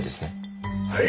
はい。